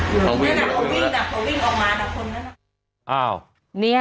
นั่นน่ะเขาวิ่งออกมาแต่คนนั้นน่ะ